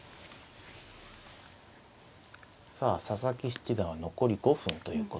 さあ佐々木七段は残り５分ということで。